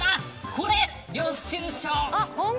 これ、領収書。